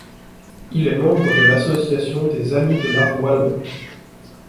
Il est membre de l'Association des amis de l'art wallon.